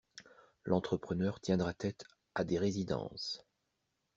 L'entrepreneur tiendra tête à des résidences.